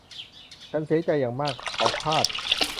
ฉันเสียใจอย่างมากเขาพลาด